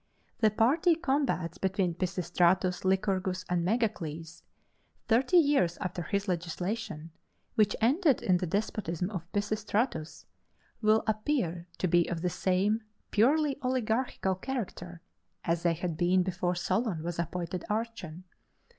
The party combats between Pisistratus, Lycurgus, and Megacles, thirty years after his legislation, which ended in the despotism of Pisistratus, will appear to be of the same purely oligarchical character as they had been before Solon was appointed archon.